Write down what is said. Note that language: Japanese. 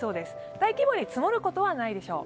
大規模に積もることはないでしょう。